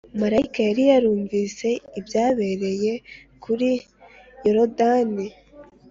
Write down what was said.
. Mariya yari yarumvise ibyabereye kuri Yorodani